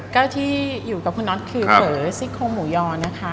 ก็ที่อยู่กับคุณน็อตคือเผลอซิโครงหมูยอนะคะ